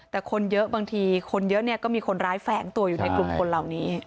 แต่คนเยอะบางทีคนเยอะเนี่ยก็มีคนร้ายแฝงตัวอยู่ในกลุ่มคนเหล่านี้